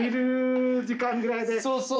そうそう。